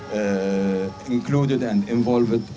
dan mereka juga terlibat dan terlibat